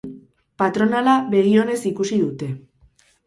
Patronala begi onez ikusi dute.